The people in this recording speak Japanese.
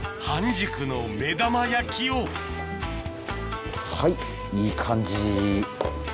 半熟の目玉焼きをはいいい感じ。